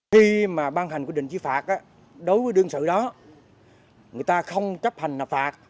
khi mà ban hành quyết định chi phạt đối với đương sự đó người ta không chấp hành nạp phạt